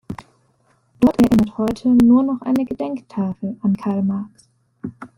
Dort erinnert heute nur noch eine Gedenktafel an Karl Marx.